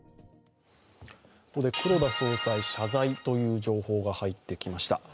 ここで黒田総裁謝罪という情報が入ってきました。